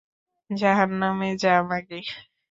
জাহান্নামে যা, মাগী!